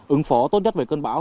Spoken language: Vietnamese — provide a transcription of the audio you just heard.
ứng phó tốt nhất với cơn bão